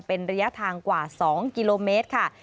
เป็นระยะทางกว่า๒กิโลเมตรค่ะ